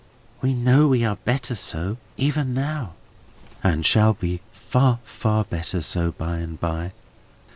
"We know we are better so, even now?" "And shall be far, far better so by and by."